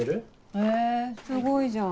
へぇすごいじゃん。